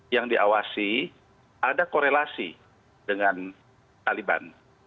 yang diawasi ada korelasi dengan taliban